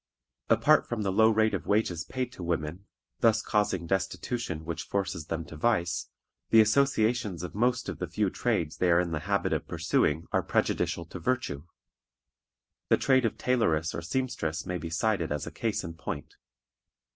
Apart from the low rate of wages paid to women, thus causing destitution which forces them to vice, the associations of most of the few trades they are in the habit of pursuing are prejudicial to virtue. The trade of tailoress or seamstress may be cited as a case in point.